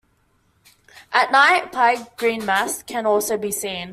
At night, Pye Green mast can also be seen.